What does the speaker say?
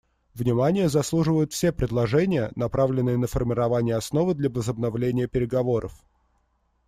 Внимания заслуживают все предложения, направленные на формирование основы для возобновления переговоров.